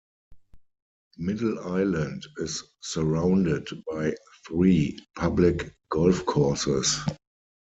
Middle Island is surrounded by three public golf courses.